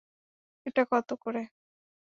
এটা কত করে?